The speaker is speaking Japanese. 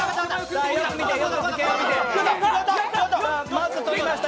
まず、取りました